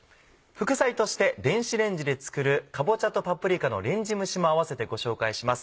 副菜として電子レンジで作る「かぼちゃとパプリカのレンジ蒸し」も合わせてご紹介します。